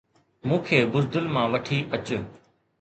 مون کي بزدل مان وٺي اچ